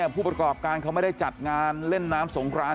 ผู้ประกอบการเขาไม่ได้จัดงานเล่นน้ำสงคราน